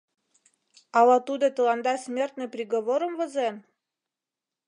Ала тудо тыланда смертный приговорым возен?